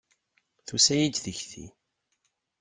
Tusa-yi-d tikti.